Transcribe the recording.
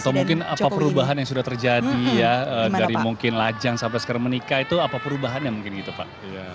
atau mungkin apa perubahan yang sudah terjadi ya dari mungkin lajang sampai sekarang menikah itu apa perubahannya mungkin gitu pak